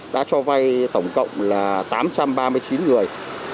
đã cho vay tổng cộng là tám trăm ba mươi chín người